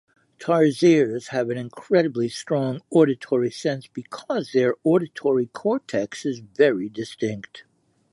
Tarsiers have an incredibly strong auditory sense because their auditory cortex is very distinct.